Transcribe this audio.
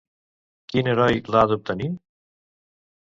Quin heroi l'ha d'obtenir?